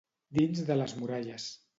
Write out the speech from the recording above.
Dins de les muralles.